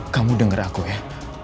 kamu denger aku ya